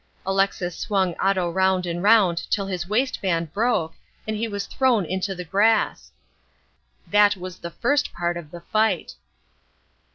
Alexis swung Otto round and round until his waistband broke, and he was thrown into the grass. That was the first part of the fight.